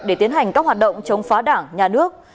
để tiến hành các hoạt động chống phá đảng nhà nước